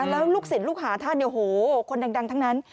แล้วลูกศิลป์ลูกหาธานคนดังทั้งนั้น